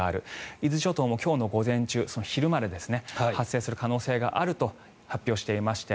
伊豆諸島も今日の午前中昼までですね発生する可能性があると発表していまして